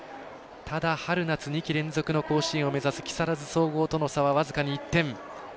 ただ、春夏２季連続を目指す木更津総合との差は僅かに１点。